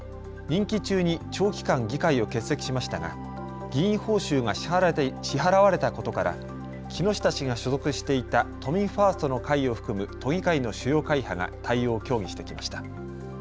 任期中に長期間、議会を欠席しましたが議員報酬が支払われたことから木下氏が所属していた都民ファーストの会を含む都議会の主要会派が対応を協議してきました。